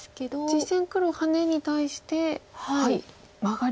実戦黒ハネに対してマガリ。